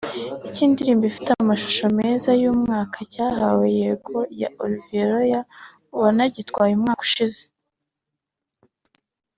Icy’indirimbo ifite amashusho meza y’umwaka cyahawe ‘Yego’ ya Olivier Roy wanagitwaye umwaka ushize